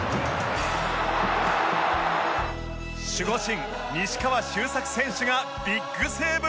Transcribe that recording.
守護神西川周作選手がビッグセーブ！